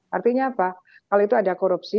artinya apa kalau itu ada korupsi